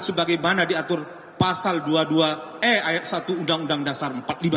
sebagaimana diatur pasal dua puluh dua e ayat satu undang undang dasar empat puluh lima